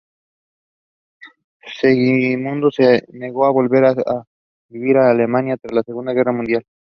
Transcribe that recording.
Segismundo se negó a volver a vivir a Alemania tras la Segunda Guerra Mundial.